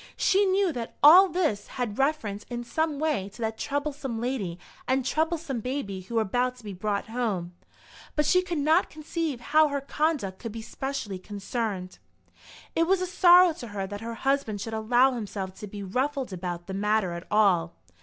She knew that all this had reference in some way to that troublesome lady and troublesome baby who were about to be brought home; but she could not conceive how her conduct could be specially concerned. It was a sorrow to her that her husband should allow himself to be ruffled about the matter at all.